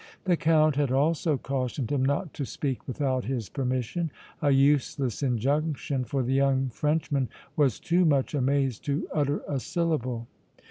The Count had also cautioned him not to speak without his permission a useless injunction, for the young Frenchman was too much amazed to utter a syllable.